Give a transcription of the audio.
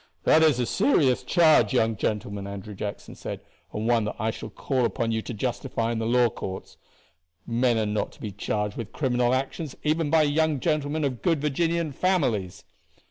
"This is a serious charge, young gentleman," Andrew Jackson said, "and one that I shall call upon you to justify in the law courts. Men are not to be charged with criminal actions even by young gentlemen of good Virginian families."